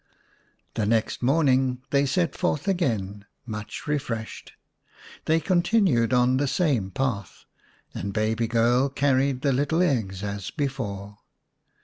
The next morning they set forth again, much refreshed; they continued on the same path, and baby girl carried the little eggs as before.